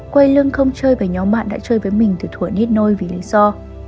quay lưng không chơi với nhóm bạn đã chơi với mình từ thủa nít nôi vì lý do